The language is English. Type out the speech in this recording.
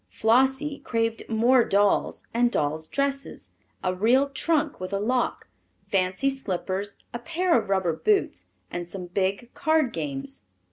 Flossie craved more dolls and dolls' dresses, a real trunk with a lock, fancy slippers, a pair of rubber boots, and some big card games.